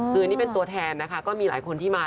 คือนี่เป็นตัวแทนนะคะก็มีหลายคนที่มา